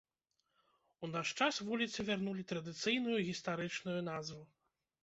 У наш час вуліцы вярнулі традыцыйную гістарычную назву.